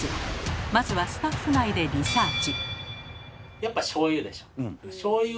まずはスタッフ内でリサーチ。